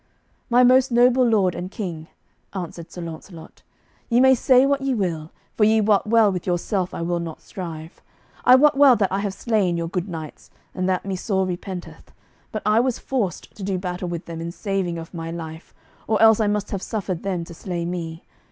"My most noble lord and king," answered Sir Launcelot, "ye may say what ye will, for ye wot well with yourself I will not strive. I wot well that I have slain your good knights, and that me sore repenteth; but I was forced to do battle with them in saving of my life, or else I must have suffered them to slay me.